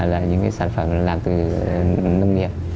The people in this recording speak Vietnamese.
là những cái sản phẩm làm từ nông nghiệp